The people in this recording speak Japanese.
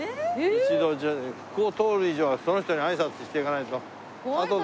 一度ここを通る以上はその人に挨拶していかないとあとで。